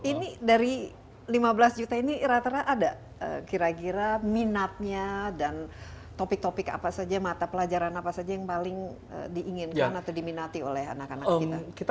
ini dari lima belas juta ini rata rata ada kira kira minatnya dan topik topik apa saja mata pelajaran apa saja yang paling diinginkan atau diminati oleh anak anak kita